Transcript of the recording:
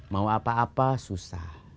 mau apa apa susah